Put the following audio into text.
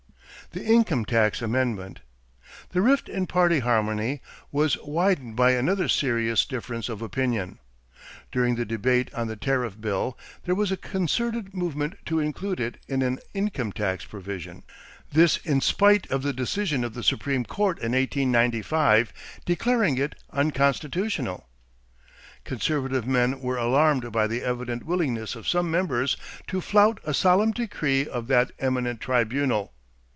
=The Income Tax Amendment.= The rift in party harmony was widened by another serious difference of opinion. During the debate on the tariff bill, there was a concerted movement to include in it an income tax provision this in spite of the decision of the Supreme Court in 1895 declaring it unconstitutional. Conservative men were alarmed by the evident willingness of some members to flout a solemn decree of that eminent tribunal.